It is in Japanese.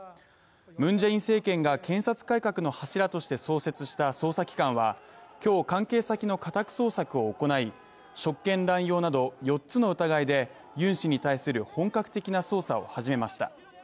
ムン・ジェイン政権が検察改革の柱として創設した捜査機関は今日、関係先の家宅捜索を行い職権乱用など４つの疑いでユン氏に対する本格的な捜査を始めました。